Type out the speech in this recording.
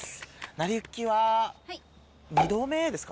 『なりゆき』は２度目ですか？